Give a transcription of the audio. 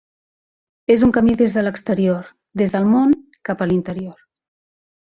És un camí des de l'exterior, des del món, cap a l'interior.